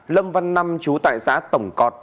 lâm văn năm chú tại xã tổng cọt